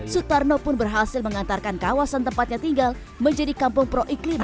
sutarno pun berhasil mengantarkan kawasan tempatnya tinggal menjadi kampung pro iklim